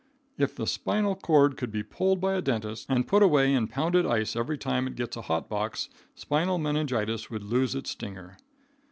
If the spinal cord could be pulled by a dentist and put away in pounded ice every time it gets a hot box, spinal meningitis would lose its stinger.